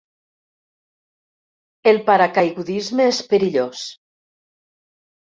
El paracaigudisme és perillós.